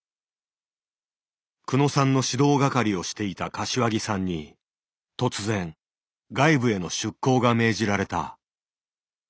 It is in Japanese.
久野さんの指導係をしていた柏木さんに突然外部への出向が命じられた。